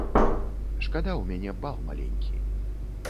Шкада, у мяне бал маленькі.